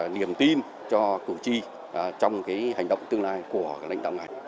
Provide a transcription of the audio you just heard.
niềm tin cho cử tri trong hành động tương lai của lãnh đạo ngành